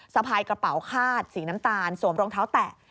สะพายกระเป๋าคาดสีน้ำตาลสวมรองเท้าแตะ